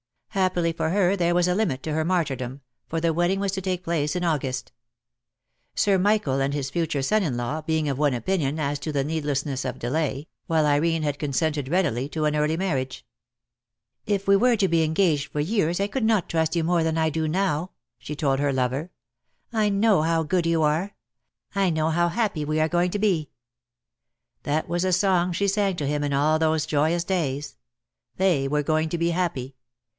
Happily for her there was a hmit to her martyrdom, for the wedding was to take place in August; Sir Michael and his future son in law being of one opinion as to the needless ness of delay, while Irene had consented readily to an early marriage. "If we were to be engaged for years I could not trust you more than I do now," she told her lover. "I know how good you are. I know how happy we are going to be." That was the song she sang to him in all those joyous days. They were going to be happy.